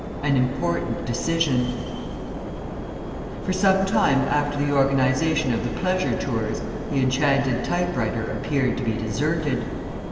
AN IMPORTANT DECISION For some time after the organization of the Pleasure Tours, the Enchanted Type Writer appeared to be deserted.